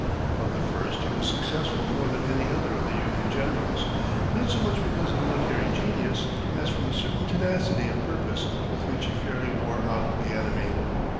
From the first he was successful more than any other of the Union generals, not so much because of military genius as from a certain tenacity of purpose with which he fairly wore out the enemy.